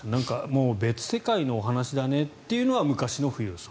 もう別世界のお話だねっていうのは昔の富裕層。